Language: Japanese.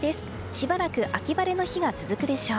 しばらく秋晴れの日が続くでしょう。